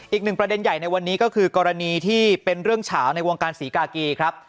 อีกหนึ่งประเด็นใหญ่ในวันนี้ก็คือกรณีที่เป็นเรื่องเฉาในวงการศรีกากีครับ